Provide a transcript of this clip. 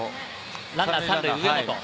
ランナー３塁・上本。